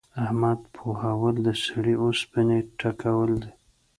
احمد پوهول؛ د سړې اوسپنې ټکول دي.